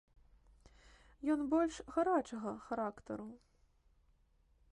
Ён больш гарачага характару.